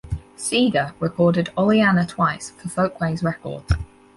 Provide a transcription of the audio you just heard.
Seeger recorded Oleanna twice for Folkways Records.